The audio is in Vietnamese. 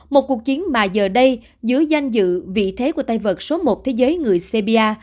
một cuộc chiến mà giờ đây dưới danh dự vị thế của tay vật số một thế giới người sêbia